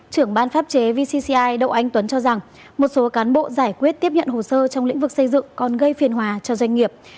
trưởng ban pháp chế vcci đậu anh tuấn cho rằng một số cán bộ giải quyết tiếp nhận hồ sơ trong lĩnh vực xây dựng còn gây phiền hòa cho doanh nghiệp